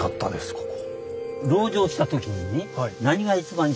ここ。